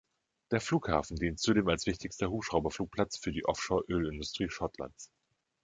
Der Flughafen dient zudem als wichtigster Hubschrauberflugplatz für die Offshore-Ölindustrie Schottlands.